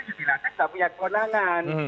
yudhilaka enggak punya kewenangan